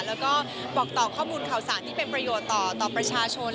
แล้วก็บอกต่อข้อมูลข่าวสารที่เป็นประโยชน์ต่อประชาชน